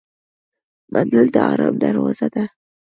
منل د آرام دروازه ده.